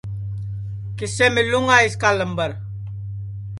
کِسے مِلوں گا اِس کا لمبر